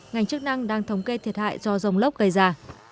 ngành chức năng đang thống kê thiệt hại do dông lóc gây ra